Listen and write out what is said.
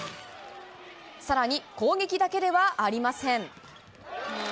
さらに攻撃だけではありません。